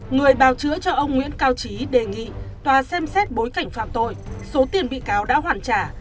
người bào chữa cho ông nguyễn cao trí đề nghị tòa xem xét bối cảnh phạm tội số tiền bị cáo đã hoàn trả